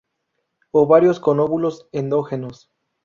Ovarios con óvulos endógenos.